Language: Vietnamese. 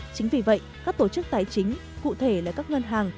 chính vì vậy các tổ chức tài chính cụ thể là các ngân hàng